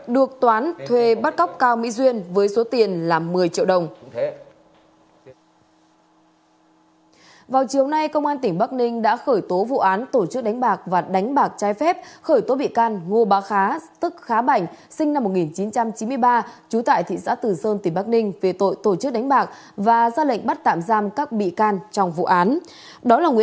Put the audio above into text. được toán thuê bắt cóc cao mỹ duyên với số tiền là một mươi triệu đồng